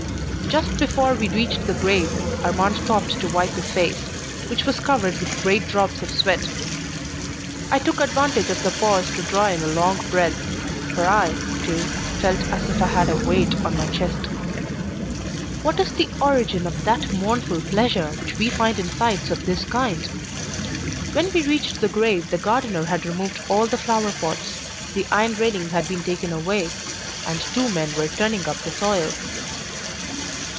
Just before we reached the grave, Armand stopped to wipe his face, which was covered with great drops of sweat. I took advantage of the pause to draw in a long breath, for I, too, felt as if I had a weight on my chest. What is the origin of that mournful pleasure which we find in sights of this kind? When we reached the grave the gardener had removed all the flower pots, the iron railing had been taken away, and two men were turning up the soil.